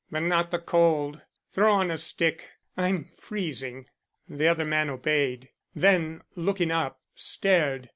"But not the cold. Throw on a stick; I'm freezing." The other man obeyed; then looking up, stared.